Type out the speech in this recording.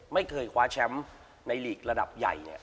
ไม่เคยคว้าแชมป์ในลีกระดับใหญ่เนี่ย